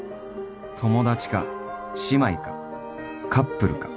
［友達か姉妹かカップルか］